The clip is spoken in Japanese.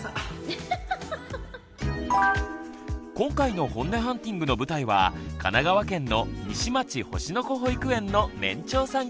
今回のホンネハンティングの舞台は神奈川県の西町星の子保育園の年長さんクラス。